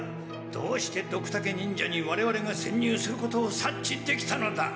どうしてドクタケ忍者にわれわれがせんにゅうすることを察知できたのだ？